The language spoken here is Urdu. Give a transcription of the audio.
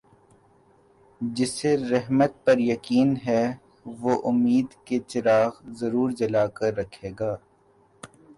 جسے رحمت پر یقین ہے وہ امید کے چراغ ضرور جلا کر رکھے گا